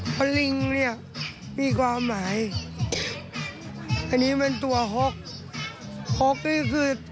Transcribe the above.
เพราะลิงเนี้ยมีความหมายอันนี้มันตัวฮ็อกฮ็อกนี่คือ